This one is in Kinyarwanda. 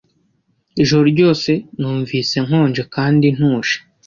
Ijoro ryose numvise nkonje kandi ntuje.